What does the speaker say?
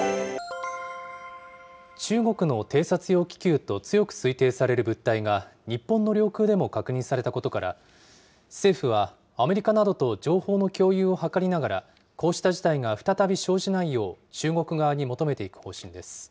中国の偵察用気球と強く推定される物体が、日本の領空でも確認されたことから、政府はアメリカなどと情報の共有を図りながら、こうした事態が再び生じないよう、中国側に求めていく方針です。